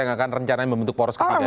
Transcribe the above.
yang akan rencananya membentuk poros ketiga